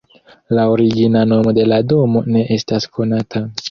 La origina nomo de la domo ne estas konata.